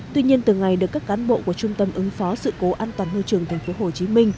tuy nhiên từ ngày được các cán bộ của trung tâm ứng phó sự cố an toàn môi trường tp hcm